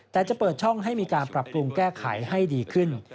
แต่จะเปิดช่องให้มีการปรับปรุงแก้ไขให้ดีขึ้น